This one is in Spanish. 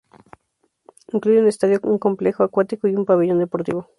Incluye un estadio, un complejo acuático y un pabellón deportivo.